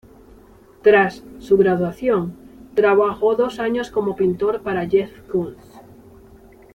Tras su graduación, trabajó dos años como pintor para Jeff Koons.